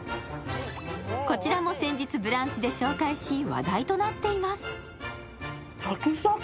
こちらも先日「ブランチ」で紹介し話題となっています